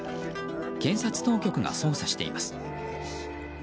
検察当局が捜査しています。